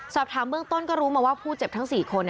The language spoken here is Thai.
สอบถามเบื้องต้นก็รู้มาว่าผู้เจ็บทั้ง๔คน